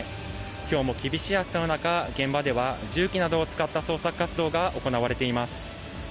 きょうも厳しい暑さの中、現場では重機などを使った捜索活動が行われています。